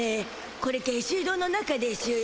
これ下水道の中でしゅよ。